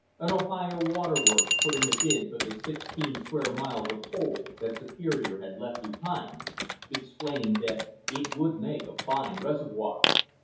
An Ohio waterworks put in a bid for the sixteen square miles of hole that Superior had left behind, explaining that it would make a fine reservoir.